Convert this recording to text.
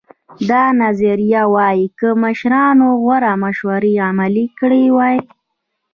دا نظریه وایي که مشرانو غوره مشورې عملي کړې وای.